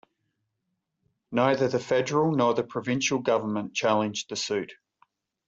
Neither the federal nor the provincial government challenged the suit.